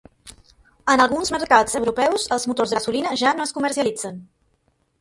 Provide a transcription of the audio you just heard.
En alguns mercats europeus, els motors de gasolina ja no es comercialitzen.